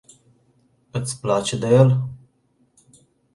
Iti place de el?